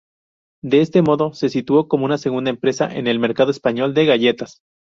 De este modo, se situó como segunda empresa en el mercado español de galletas.